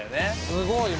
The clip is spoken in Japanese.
すごい。